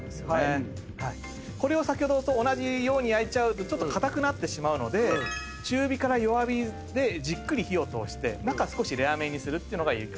これを先ほどと同じように焼いちゃうと硬くなってしまうので中火から弱火でじっくり火を通して中少しレアめにするのがいいかなと。